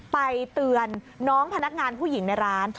ไปเตือนน้องพนักงานผู้หญิงในร้าน